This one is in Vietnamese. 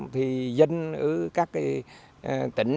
thì dân ở các tỉnh